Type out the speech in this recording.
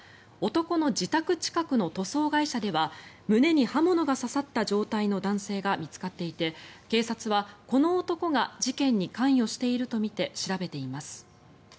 男の自宅近くの塗装会社では胸に刃物が刺さった状態の男性が見つかっていて警察はこの男が事件に関与しているとみて調べています。